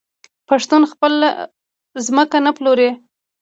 پښتون خپله ځمکه نه پلوري.